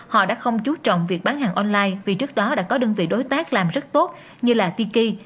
họ đã không chú trọng việc bán hàng online vì trước đó đã có đơn vị đối tác làm rất tốt như là tiki